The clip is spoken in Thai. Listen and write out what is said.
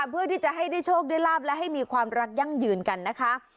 เพื่อที่จะให้ได้โชคได้ลาบและให้มีความรักยั่งยืนกันนะคะ